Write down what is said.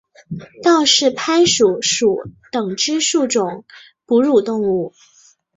道氏攀鼠属等之数种哺乳动物。